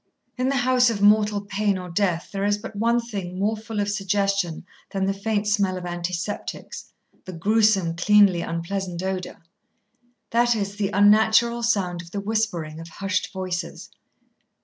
In the house of mortal pain or death there is but one thing more full of suggestion than the faint smell of antiseptics, the gruesome, cleanly, unpleasant odour, that is, the unnatural sound of the whispering of hushed voices.